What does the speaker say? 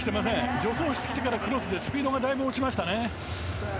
助走してきてからクロスでスピードが落ちましたね。